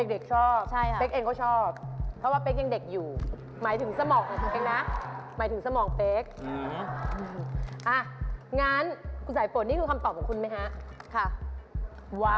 เด็กชอบเป๊กเองก็ชอบเพราะว่าเป๊กยังเด็กอยู่